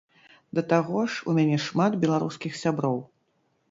Да таго ж у мяне шмат беларускіх сяброў.